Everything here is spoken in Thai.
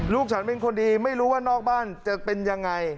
ลูกฉันเป็นคนดีไม่รู้ว่านอกบ้านจะเป็นยังไง